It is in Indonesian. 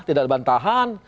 tidak ada bantahan